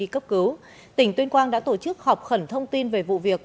cấp cứu tỉnh tuyên quang đã tổ chức họp khẩn thông tin về vụ việc